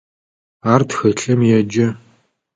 Ар тхылъым еджэ.